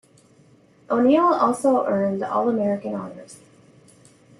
O'Neil also earned All-American honors.